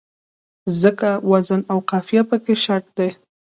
ځکه وزن او قافیه پکې شرط دی.